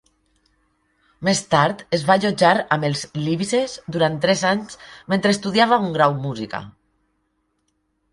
Més tard es va allotjar amb els Leavises durant tres anys mentre estudiava un grau música.